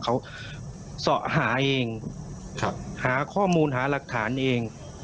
เขาเสาะหาเองหาข้อมูลหาหลักฐานเอง